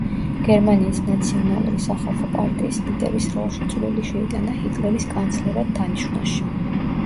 გერმანიის ნაციონალური სახალხო პარტიის ლიდერის როლში წვლილი შეიტანა ჰიტლერის კანცლერად დანიშვნაში.